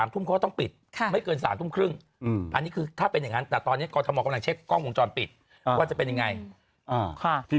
ทุ่มเขาก็ต้องปิดไม่เกิน๓ทุ่มครึ่งอันนี้คือถ้าเป็นอย่างนั้นแต่ตอนนี้กรทมกำลังเช็คกล้องวงจรปิดว่าจะเป็นยังไง